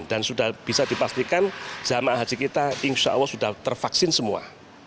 dan sudah bisa dipastikan jemaah haji kita insya allah sudah tervaksin semua